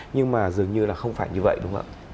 nhưng mà dường như là không phải như vậy đúng không ạ